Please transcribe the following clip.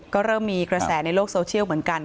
ก็เริ่มมีกระแสในโลกโซเชียลเหมือนกัน